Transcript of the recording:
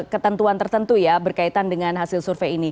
ketentuan tertentu ya berkaitan dengan hasil survei ini